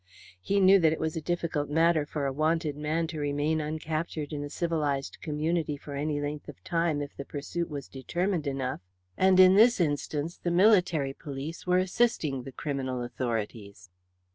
He knew that it was a difficult matter for a wanted man to remain uncaptured in a civilized community for any length of time if the pursuit was determined enough, and in this instance the military police were assisting the criminal authorities.